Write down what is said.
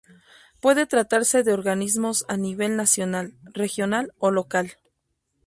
Puede tratarse de organismos a nivel nacional, regional o local.